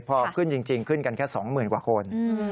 พอขึ้นจริงขึ้นกันแค่๒๐๐๐กว่าคน